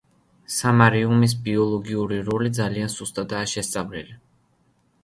სამარიუმის ბიოლოგიური როლი ძალიან სუსტადაა შესწავლილი.